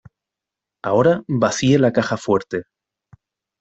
Ahora vacíe la caja fuerte.